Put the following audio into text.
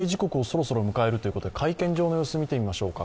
予定時刻をそろそろ迎えるということで、会見場の様子を見てみましょうか。